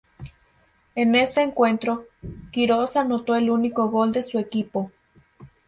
En ese encuentro, Quirós anotó el único gol de su equipo.